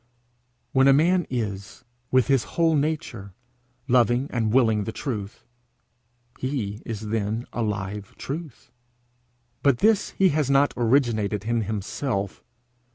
When a man is, with his whole nature, loving and willing the truth, he is then a live truth. But this he has not originated in himself.